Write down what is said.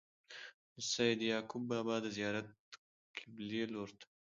د سيد يعقوب بابا د زيارت قبلې لوري ته